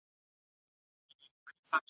موږ خپل ټول وسایل بېرته راټول کړل.